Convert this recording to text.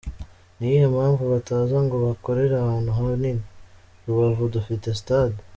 Ni iyihe mpamvu bataza ngo bakorere ahantu hanini? Rubavu dufite Stade.